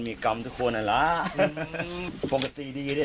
ก็เข้าทางอเรียน